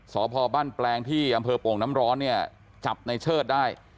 สพบ้านแปลงที่อำเภอโป่งน้ำร้อนเนี่ยจับในเชิดได้